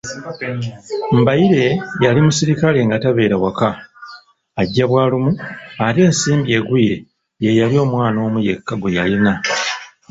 Mbaire yali musirikale nga tabeera waka, ajja bwalumu, ate Nsimbi Egwire yeeyali omwana omu yekka gweyalina.